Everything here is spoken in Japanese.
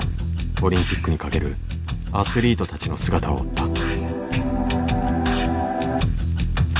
オリンピックにかけるアスリートたちの姿を追った。